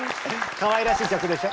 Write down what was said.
かわいらしい曲でしょ？